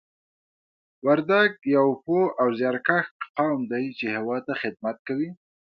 وردګ یو پوه او زیارکښ قوم دی چې هېواد ته خدمت کوي